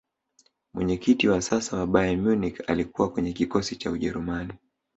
mwenyekiti wa sasa wa bayern munich alikuwa kwenye kikosi cha ujerumani